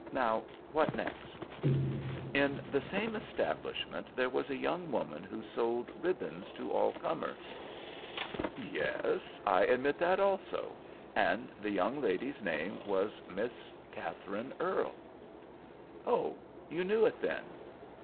Now, what next?" "In the same establishment there was a young woman who sold ribbons to all comers?" "Yes, I admit that also, and the young lady's name was Miss Katherine Earle." "Oh, you knew it, then?"